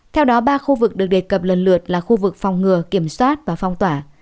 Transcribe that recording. theo đó ba khu vực được đề cập lần lượt là khu vực phòng ngừa kiểm soát và phong tỏa